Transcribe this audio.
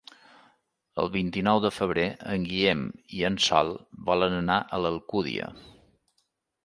El vint-i-nou de febrer en Guillem i en Sol volen anar a l'Alcúdia.